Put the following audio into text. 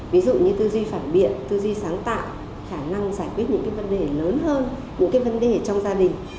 ví dụ như tư duy phản biện tư duy sáng tạo khả năng giải quyết những cái vấn đề lớn hơn những cái vấn đề trong gia đình